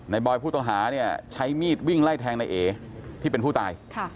บอยผู้ต้องหาเนี่ยใช้มีดวิ่งไล่แทงในเอที่เป็นผู้ตาย